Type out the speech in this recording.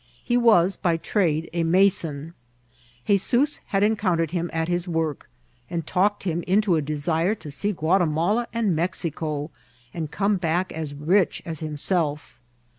He was by trade a mason. 'Hezoos had encountered him at his work, and talked him into a desire to see Guati mala and Mexico, and come back as rich as himself.